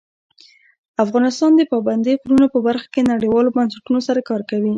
افغانستان د پابندی غرونه په برخه کې نړیوالو بنسټونو سره کار کوي.